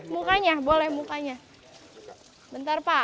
mukanya boleh mukanya bentar pak